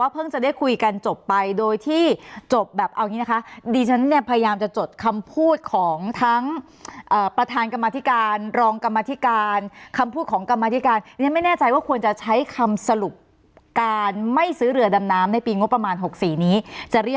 เพิ่งจะได้คุยกันได้ชหมพูดของประธานกรรมัฐการของกรรมัฐการไม่เจอมันใช้คำสรุปดำหนำในปี๖๔นี้